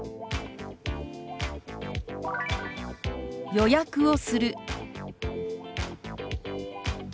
「予約をする」。